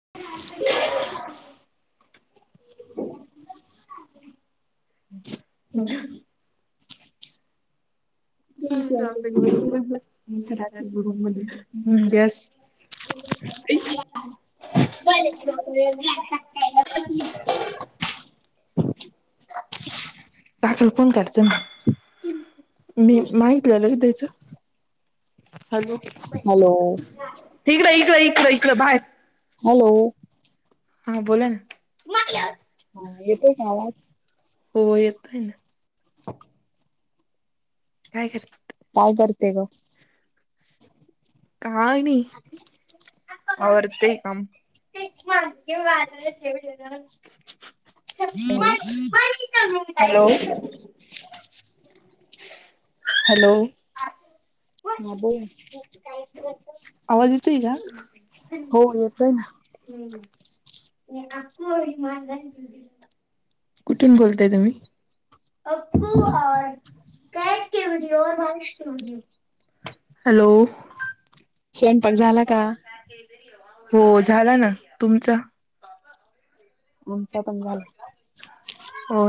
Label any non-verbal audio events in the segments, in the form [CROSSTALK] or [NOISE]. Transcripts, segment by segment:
[INAUDIBLE] ह [UNINTELLIGIBLE] काकाला म [UNINTELLIGIBLE] [UNINTELLIGIBLE] [UNINTELLIGIBLE] मी माहित आलं की त्याच हॅलो [UNINTELLIGIBLE] हॅलो हा बोला ना. हा येतोय का आवाज? हो येतोय ना. काय कर काय करते ग? हा आणि होर ते काम हा हॅलो. हॅलो. ह बोल. आवाज येत इग. हो येत आहे ना. हम्म अ माार कुठून बोलताय तुम्ही? ह्. हॅलो. स्वयंपाक झाला का? हो झाला ना तुमच? आमच पण झालं. हो.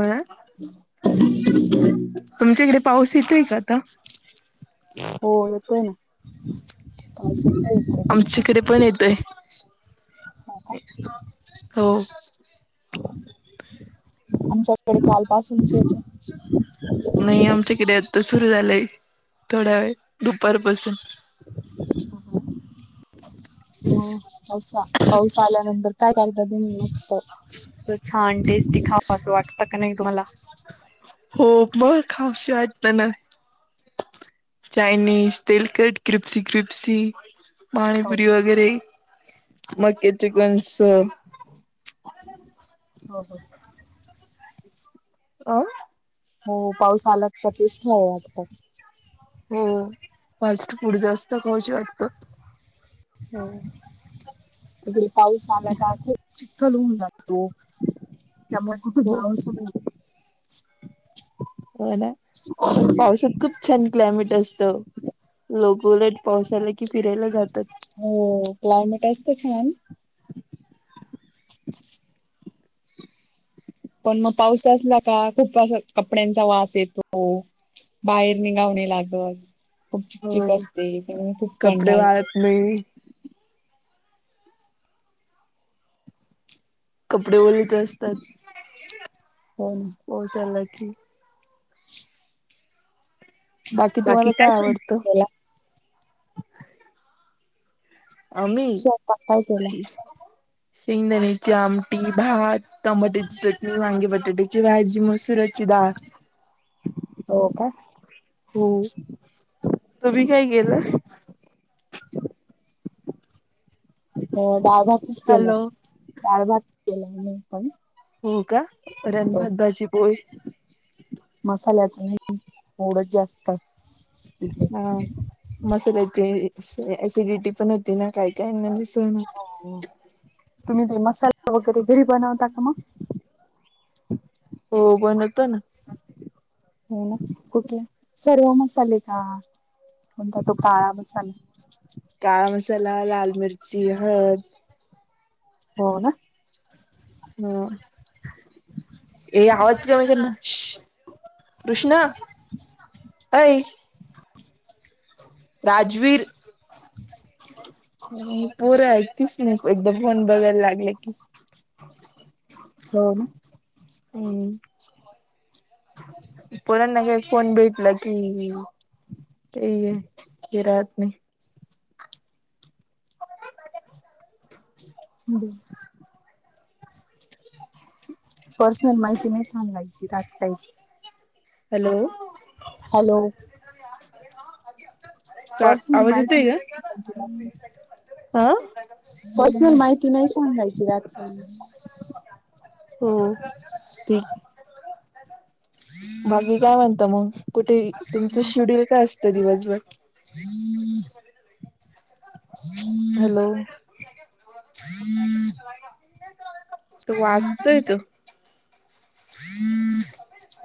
[INAUDIBLE] तुमच्याकडे पाऊस येतोय का आता हो एक आहे ना पास आमच्याकडे पण येतोय हो का? हो. आमच्याकडे कालपासूनच येत. तर सुरू झालंय थोड्या वेळ दुपारपसून हो. पासा पाऊस आल्यानंतर काय करता तुम्ही मस्त छान टेस्टी खा. असं वाटत का नाही तुम्हाला? हो मग खाऊशी वाटत ना. चायनीज तलकट क्रिप्स क्रिप्सी हो पाणीपुरी वगैरे मके चिकंस हो हो. अ. हो पाऊस आलात तर तेच ख आता हो फास्ट फूड जास्त खाच वाटतं. हो त पाऊस आला का खूप चिखल होऊन जात. त त्या्हा कठ हो जावस नाही. हो ना पण पावसतक छान क्लायमेट असत लोक उलट पावसाला कि फिरायला जातात. हो क्लायमेट असत छान. पण मग पाऊस असला का खूप असा कपड्यांचा वास येतो बाहेर निघावणे लागत खूप हो चकचक असते त्यामुळे खूप कपडे कंठायच. वाळत नाही. कपडे ओलत असतात. हो ना. हो ला की बाकी तुम्हाला काय आवडतं. आम्ही स्वयंपाक काय केला शेंगदाणीची आमटी भात टमाट्याची चटणी वांगी बटाट्याची भाजी मसुराची डाळ. हो का? हो तु्ही काय गेलं. अ डाळभातच केला हॅलो डाळभात केला मी पण हो का? वरनतभात, भाजी, पोळी. मसाल्याच नाह वोढच जास्त इकडे हा,, मसाल्याची अॅसिडिटी पण होती ना,, काय काय दिस नऽ हो,, तुम्ही ते मसाला वगैरे घरी बनवता का मग? हो, बनवतो ना. हो ना,, कुठे? सर्व मसाले का,, म्हणता तो काळा मसाला,, काळा मसाला, लाल मिरची,, हळद, हो ना,, ह, ए, आवाज कर ना,,, कृष्णा,, अई ऽ राजवीर,, स, पर ऐकतीच नाही एकदा फोन बघायला लागले की हो हम् परांना का फोन भेटला की ते,, आहे राात नेऽ बर, पर्सनल माहिती नाही सांगायची त्याात काई,, हॅलो,, हॅलो,, स पर्सनल माहिती सांगायची नाहीऽ हा पसुन माहिती नाही सांगायची रात काइऽ हो,, तेऽ बाकी काय म्हणत मग? कुठे, तुमचं शेड्यूल काय असतं दिवसभर? हम्म, हॅलो, तू वाचतोय तो,,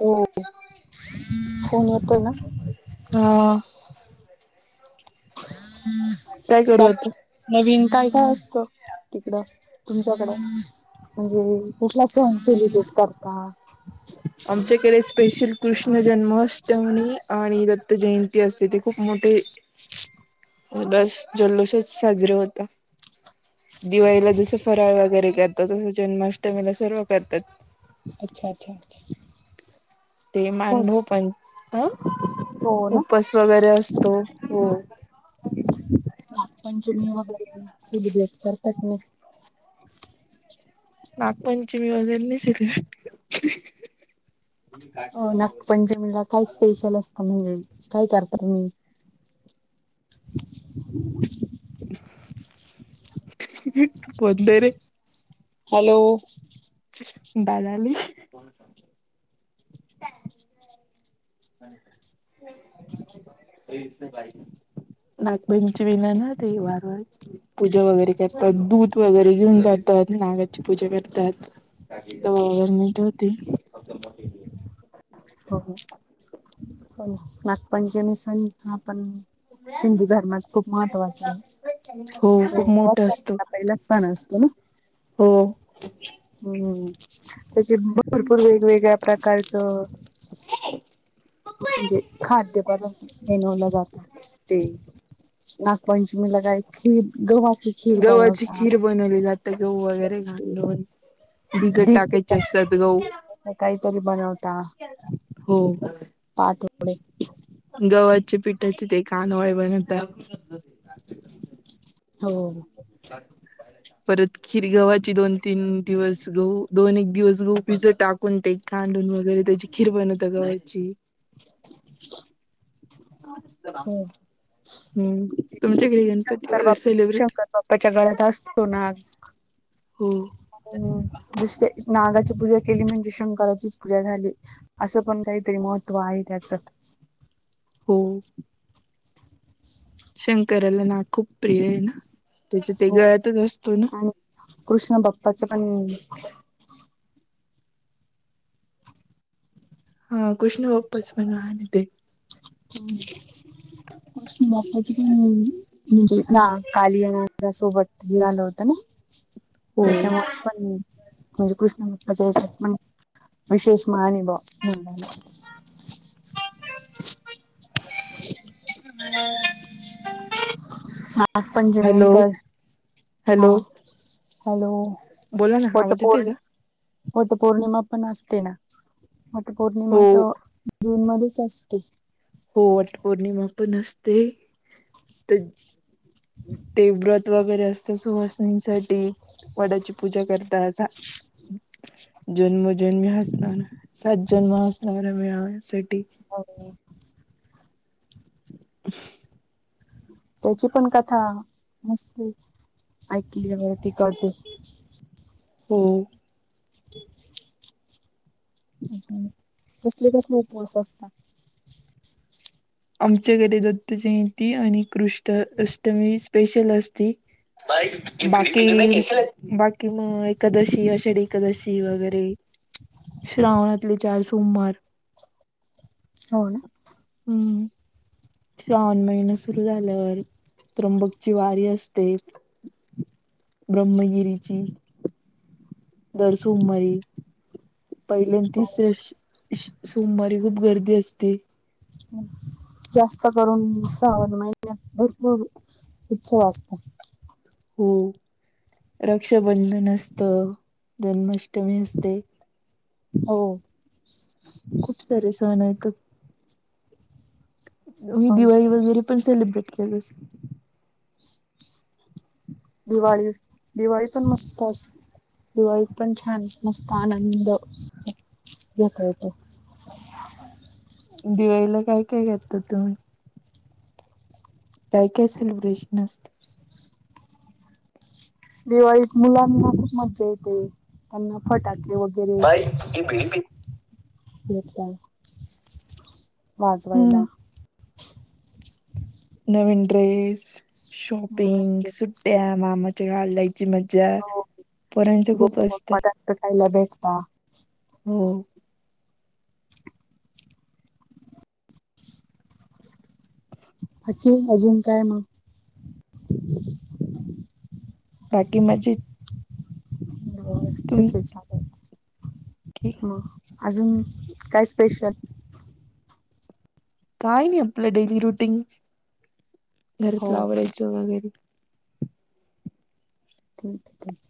हो नािं तुमही,, फोन येतोय ना, हं,, म, बाकी नवीन काय काय असत? तिकडं,, तुमच्याकडं, म्हणजे,, कुठला सण सेलिब्रेट करता? आमचेकडे स्पेशल कृष्ण जन्माष्टमी,, आणिऽ जयंती असते,, ते खूप मोठेऽ बस जल्लोषच साजरे होतेऽ दिवाळीला जसं फराळ वगैरे करतात तसं, जन्माष्टमीला सर्व करतात. अच्छा, अच्छा, अ्छा, ते मानभोव पण,,, अं, हो ना उपास वगैरे असतो,,, हो,, नाग पंचमी वगैरे, सेलिब्रेट करतात नाही? नागपंचमी वजल नाही सिऽ अ, नागपंचमीला काय स्पेशल असतं? म्हणजे काय करता हीऽ ह बंदरे. हॅलो, दादालीऽ काच पायऽ नाग पंचमी ला ना ते वारुळाचंऽ पूजा वगैरे करतात,, दूध वगैरे घऊन जातात,, नागाची पूजा करतात,, तर मिटवते. हो हो. नागपंचमी सण आपण हिंदू धर्मात खूप महत्त्वाचा आहे. हो खूप मोठा असतो त पहिलाच सण असतो ना? हो. हम्म. त्याची भरपूर वेगवेगळ्या प्रकारचं म्हणजे खाद्य पदार्थ बनवला जातो ते नागपंचमीला काय खीर? गव्हाची खीर गव्हाची बनवतात. खीर बनवली जा ते गहू वगैरे घालून बिगट दीप टाकायचे असतात गहू काहीतरी बनवता? हो. पारथी गव्हाचे पिठाचे ते कानवळे बनवतात. हो. परत खीर गव्हाची दोन, तीन दिवस गहू दोन, एक दिवस गहू भिजत टाकून ट कांडून वगैरे त्याची खीर बनवता गव्याची? हो. हम्म. तुमच्याकडे गणपती वैरे सेलिब्रेट त्याच्या गळ्यात असतो नाग हम्म. हम्म. जस नागाची पूजा केली म्हणजे शंकराचीच पूजा झाली असं पण काहीतरी महत्त्व आहे त्याचं. हो. शंकराला ना खूप प्रिय आहे ना त्याच्या ते हो गळ्यातच असतो ना? आणि कृष्ण बाप्पाचं पण हा. कृष्ण उपस पण आण तेे. कृष्ण बापपाज पण म्हणजे ना कालिया नागा सोबत हे आलं होत ना हो त्याच्यामुळे पण म्हणजे कृष्ण म पज च पण विशेष मान आहे बुवा [INAUDIBLE] [INAUDIBLE] हम्म. [INAUDIBLE] नागपंचमी नंतर हा. हॅलो हॅलो बोला ना आवाज येतोय का वटपोर्णि वटपौर्णिमा पण असते ना. हो वटपौर्णिमा तर जून मध्येच असते. हो. वटपौर्णिमा पण असते. तर ते व्रत त वगैरे असत सुवासिनी साठी वडाची पूजा करता जन्मोजन्मी हाच नवं सात जन्म असणारा मिळावा ह्यासाठी ओर नी [INAUDIBLE] त्याची पण कथा मस्त, ऐकली होती कधी हो. हम्म. कसले कसले उपवास असता? आमच्याकडे दत्त जयंती आणि कृष्ण अष्टमी स्पेशल असती बाकी म्हणजे बाकी मग एकादशी आषाढी एकादशी वगैरे श्रावणातले चार सोमार. हो ना. हम्म श्रावण महिना सुरू झाल्यावर त्र्यंबकची वारी असते ब्रह्मगिरीची दर सोमारी पहिल्या अनं तिस वेश श स सोमवारी खूप गर्दी असते जास्त करून श्रावण महिण्यात भरपूर उत्सव असता हो रक्षाबंधन असत जन्माष्टमी असते हो खूप सारे सण आहेतं तुम्ही हो ना दिवाळी वगैरे पण सेलिब्रेट केलीस दिवाळी दिवाळी पण मस्त असते दिवाळीत पण छान मस्त आनंद घेता येतोय दिवाळीला काय काय घेतात तुम्ही काय काय सेलिब्रेशन असत दिवाळीत मुलांना खूप मज्जा येते त्यांना फटाके ओढ [UNINTELLIGIBLE] वाजवायला हम्म नवीन ड्रेस शॉपिंग सुट्या मामाच्या गावाला जायची मज्जा पोरांचं खूप असतं कठायला भेटता हो [INAUDIBLE] [INAUDIBLE] आखीणं अजून काय मग बाकी मजेत हो तुम ठीक चालेलं मं अजून काय स्पेशल काय नाही आपलं डेली रुटीन हो घरातलं आवरायचं वगैरे ठीक ठीक